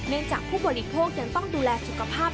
จากผู้บริโภคยังต้องดูแลสุขภาพ